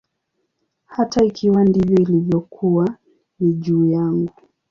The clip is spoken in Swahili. Hata ikiwa ndivyo ilivyokuwa, ni juu yangu.